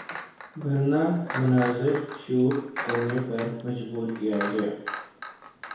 برہنہ مناظر شوٹ کرنے پر مجبور کیا گیا